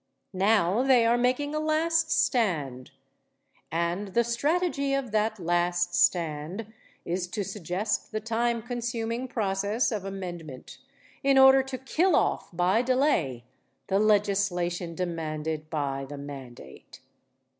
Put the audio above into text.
Now they are making a last stand. And the strategy of that last stand is to suggest the time consuming process of amendment in order to kill off by delay the legislation demanded by the mandate.